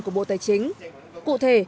của bộ tài chính cụ thể